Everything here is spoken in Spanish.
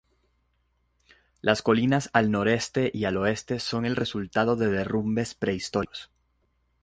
Las colinas al noreste y al oeste son el resultado de derrumbes prehistóricos.